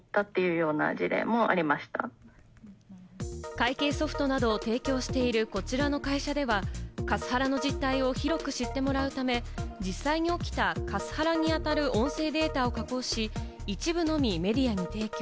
会計ソフトなどを提供しているこちらの会社では、カスハラの実態を広く知ってもらうため、実際に起きたカスハラに当たる音声データを加工し、一部のみメディアに提供。